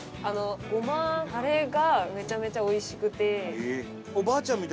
ごまタレがめちゃめちゃおいしくて。